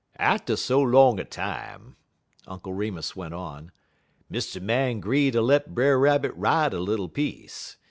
"Atter so long a time," Uncle Remus went on, "Mr. Man 'gree ter let Brer Rabbit ride a little piece.